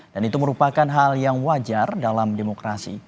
dan itu merupakan hal yang wajar dalam demokrasi